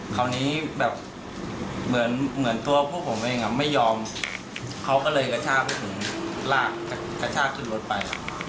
คราวนี้เหมือนตัวผู้ผมเองไม่ยอมเขาก็เลยกระชากกระชากถึงรถไป